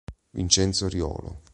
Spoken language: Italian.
Vincenzo Riolo